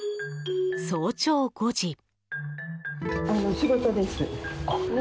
早朝５時。